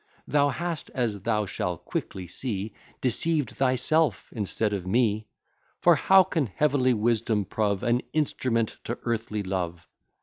Thou hast, as thou shall quickly see, Deceived thyself, instead of me; For how can heavenly wisdom prove An instrument to earthly love?